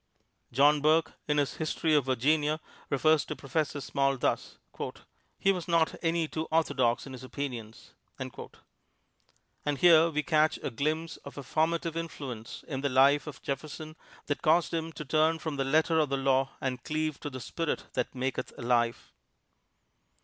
John Burke, in his "History of Virginia," refers to Professor Small thus: "He was not any too orthodox in his opinions." And here we catch a glimpse of a formative influence in the life of Jefferson that caused him to turn from the letter of the law and cleave to the spirit that maketh alive.